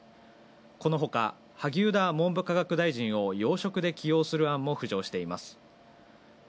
このほか、萩生田文部科学大臣を要職で起用する案も浮上している。